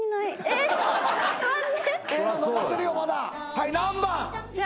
はい何番？